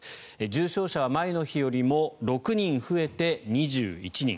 重症者は前の日よりも６人増えて２１人。